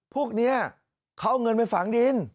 พวกนี้เขาเอาเงินไปฝังดิน